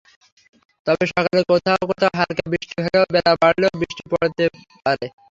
তবে সকালে কোথাও কোথাও হালকা বৃষ্টি হলেও বেলা বাড়লে বৃষ্টিও বাড়তে পারে।